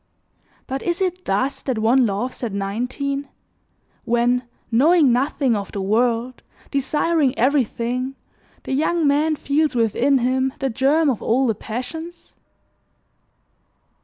But is it thus that one loves at nineteen when, knowing nothing of the world, desiring everything, the young man feels within him the germ of all the passions?